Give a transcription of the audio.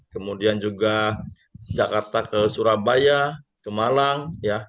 kemudian juga jakarta ke surabaya ke malang